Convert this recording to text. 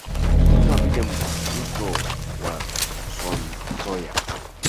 kama vile mto wa swam zoya